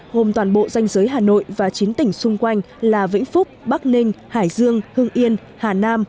gồm toàn bộ danh giới hà nội và chín tỉnh xung quanh là vĩnh phúc bắc ninh hải dương hưng yên hà nam